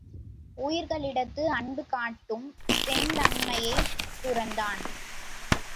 உயிர்களிடத்து அன்பு காட்டும் செந்தண்மையைத் துறந்தான்.